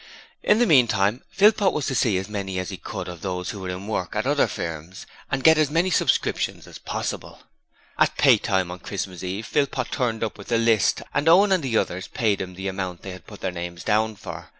In the meantime, Philpot was to see as many as he could of those who were in work, at other firms and get as many subscriptions as possible. At pay time on Christmas Eve Philpot turned up with the list and Owen and the others paid him the amounts they had put their names down for.